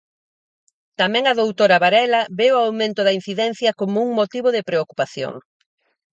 Tamén a doutora Varela ve o aumento da incidencia como un "motivo de preocupación".